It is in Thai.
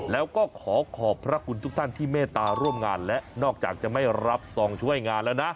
แล้วก็ขอขอบพระคุณทุกท่านที่เมตตาร่วมงานและนอกจากจะไม่รับซองช่วยงานแล้วนะ